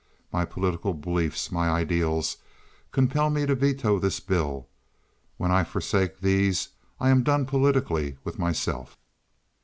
My political belief, my ideals, compel me to veto this bill; when I forsake these I am done politically with myself.